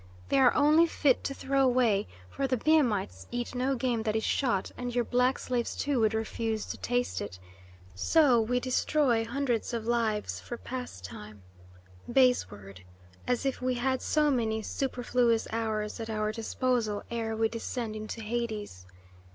They are only fit to throw away, for the Biamites eat no game that is shot, and your black slaves, too, would refuse to taste it. So we destroy hundreds of lives for pastime. Base word! As if we had so many superfluous hours at our disposal ere we descend into Hades.